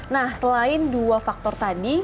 nah selain dua faktor tadi